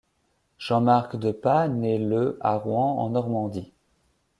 Jean-Marc de Pas naît le à Rouen en Normandie.